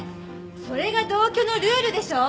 それが同居のルールでしょ！